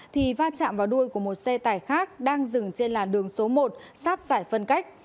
thì va chạm vào đuôi của một xe tải khác đang dừng trên làn đường số một sát giải phân cách